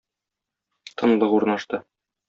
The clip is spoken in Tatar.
Тынлык урнашты.